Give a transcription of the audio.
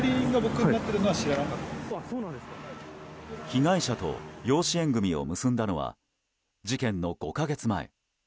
被害者と養子縁組を結んだのは事件の５か月前。